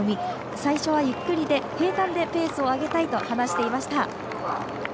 最初はゆっくりで平たんでペースを上げたいと話していました。